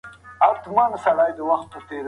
هلمند د افغانستان د جګړې او سولې په تاریخ کي مهم دی.